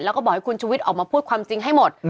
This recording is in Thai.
แล้วก็บอกให้คุณชุวิตออกมาพูดความจริงให้หมด